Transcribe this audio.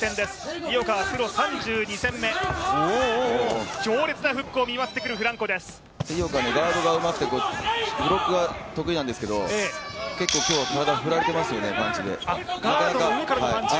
井岡のガードがうまくて、ブロックが得意なんですけど結構今日は体振られていますよねね、パンチで。